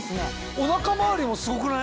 お腹周りもすごくない？